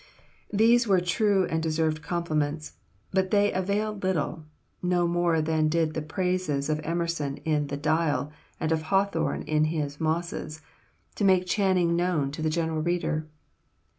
These were true and deserved compliments, but they availed little (no more than did the praises of Emerson in the "Dial," and of Hawthorne in his "Mosses") to make Channing known to the general reader.